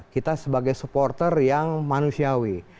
kita sebagai supporter yang manusiawi